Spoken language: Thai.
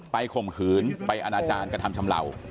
ไปข่มขืนไปอาณาจารย์กระทำชำลาว